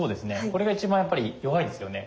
これが一番やっぱり弱いですよね。